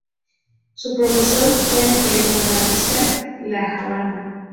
Fue profesor en el colegio Buenavista, de La Habana.